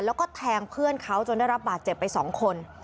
แล้วก็แทงเพื่อนเขาจนได้รับบาดเจ็บไป๒คน